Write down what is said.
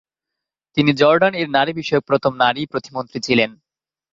তিনি জর্ডান এর নারী বিষয়ক প্রথম নারী প্রতিমন্ত্রী ছিলেন।